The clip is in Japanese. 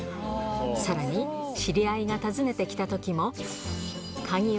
さらに知り合いが訪ねて来た時もへぇ！